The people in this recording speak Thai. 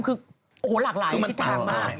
คือโอ้โหหลากหลายทิศทางมาก